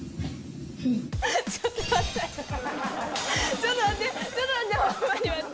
ちょっと待って。